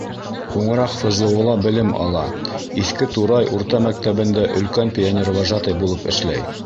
Һуңыраҡ ФЗО-ла белем ала, Иҫке Турай урта мәктәбендә өлкән пионервожатый булып эшләй.